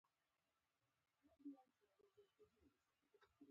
د سزار د پلویانو ترمنځ بله کورنۍ جګړه ونښته.